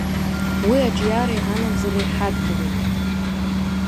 Уи аҿиареи анагӡареи ҳадгылоит.